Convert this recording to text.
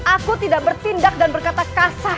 aku tidak bertindak dan berkata kasah